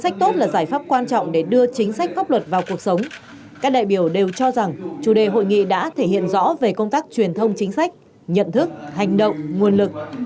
các đại biểu đều cho rằng chủ đề hội nghị đã thể hiện rõ về công tác truyền thông chính sách nhận thức hành động nguồn lực